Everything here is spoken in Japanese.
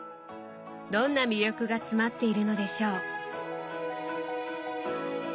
どんな魅力が詰まっているのでしょう⁉